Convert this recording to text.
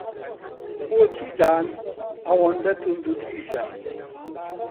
بۆچی دان ئەوەندە توندوتیژە؟